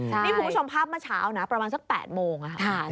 นี่คุณผู้ชมภาพเมื่อเช้านะประมาณสัก๘โมงค่ะ